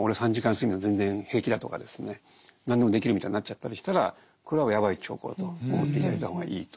睡眠でも全然平気だとかですね何でもできるみたいになっちゃったりしたらこれはやばい兆候と思って頂いた方がいいと。